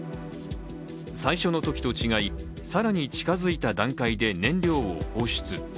最初のときと違い、更に近づいた段階で燃料を放出。